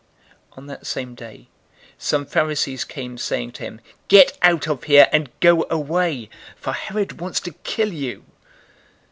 013:031 On that same day, some Pharisees came, saying to him, "Get out of here, and go away, for Herod wants to kill you."